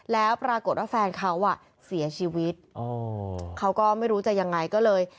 แล้วปรากฏว่าแฟนเขาอ่ะเสียชีวิตอ๋อเขาก็ไม่รู้จะยังไงก็เลย